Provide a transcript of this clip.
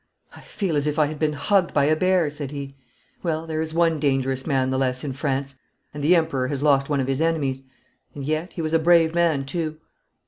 'I feel as if I had been hugged by a bear,' said he. 'Well, there is one dangerous man the less in France, and the Emperor has lost one of his enemies. And yet he was a brave man too!'